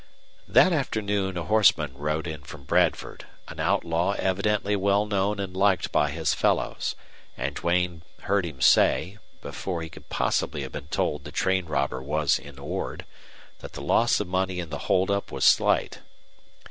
That afternoon a horseman rode in from Bradford, an outlaw evidently well known and liked by his fellows, and Duane heard him say, before he could possibly have been told the train robber was in Ord, that the loss of money in the holdup was slight.